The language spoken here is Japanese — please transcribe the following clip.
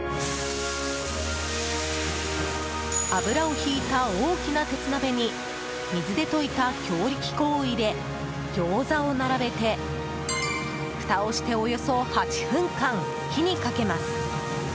油をひいた大きな鉄鍋に水で溶いた強力粉を入れギョーザを並べてふたをしておよそ８分間、火にかけます。